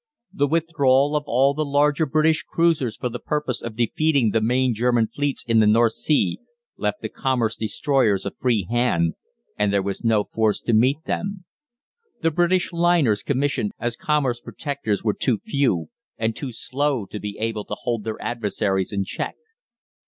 The withdrawal of all the larger British cruisers for the purpose of defeating the main German fleets in the North Sea left the commerce destroyers a free hand, and there was no force to meet them. The British liners commissioned as commerce protectors were too few and too slow to be able to hold their adversaries in check.